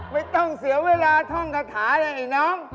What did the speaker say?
ไม่ต้องเสียเวลาท่องคาถาเลยไอ้น้อง